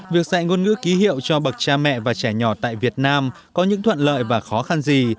việc dạy ngôn ngữ ký hiệu cho bậc cha mẹ và trẻ nhỏ tại việt nam có những thuận lợi và khó khăn gì